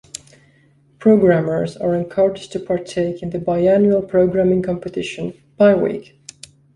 Programmers are encouraged to partake in the biannual programming competition "Pyweek".